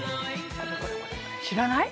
知らない？